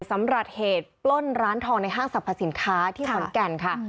สำหรับเหตุปล้นร้านทองในห้างสรรพสินค้าที่ขอนแก่นค่ะ